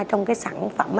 trong cái sản phẩm